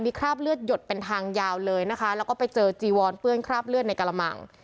คราบเลือดหยดเป็นทางยาวเลยนะคะแล้วก็ไปเจอจีวอนเปื้อนคราบเลือดในกระมัง